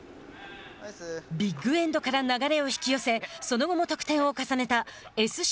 ビッグエンドから流れを引き寄せその後も得点を重ねたＳＣ